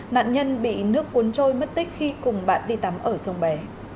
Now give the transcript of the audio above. nạn nhân bị nước cuốn trôi mất tích khi cùng bạn đi tắm ở sông bé